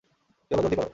চল, জলদি কর।